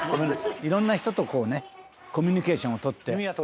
「色んな人とこうねコミュニケーションを取って」